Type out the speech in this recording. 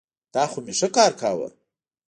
دا خو مي ښه کار کاوه.